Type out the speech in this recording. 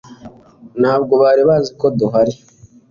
Ntabwo bari bazi ko duhari